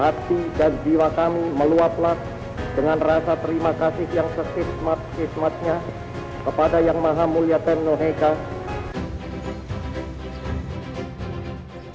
arti dan jiwa kami meluatlah dengan rasa terima kasih yang sesismat sesimatnya kepada yang maha mulia temno heka